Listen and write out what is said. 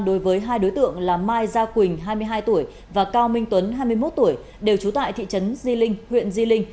đối với hai đối tượng là mai gia quỳnh hai mươi hai tuổi và cao minh tuấn hai mươi một tuổi đều trú tại thị trấn di linh huyện di linh